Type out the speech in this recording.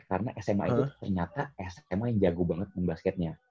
karena sma itu ternyata sma yang jago banget sama basketnya